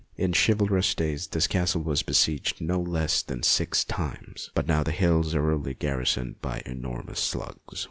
In chivalrous days this castle was besieged no less than six times, but now the hills are only garrisoned by enormous slugs.